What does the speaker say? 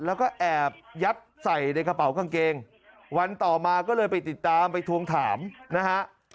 แล้วก็แอบยัดใส่ในกระเป๋ากางเกงวันต่อมาก็เลยไปติดตามไปทวงถามนะฮะ